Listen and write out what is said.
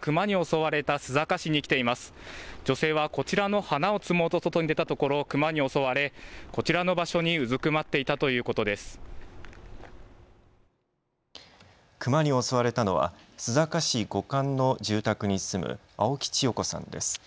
クマに襲われたのは須坂市五閑の住宅に住む青木千代子さんです。